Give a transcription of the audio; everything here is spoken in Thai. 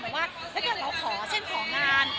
แต่ว่าถ้าเกิดเราขอเช่นของาน